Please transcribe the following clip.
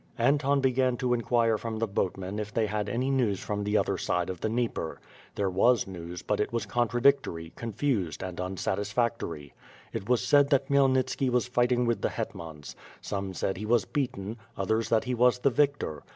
Anton began to inquire from the boatmen if they had any news from the other side of the Dnieper. There was news, but it was contradictory, confused, and unsatisfactory. It was said that Khmyelnitski was fighting with the hetmans. Some said he was beaten, others that he was the victor.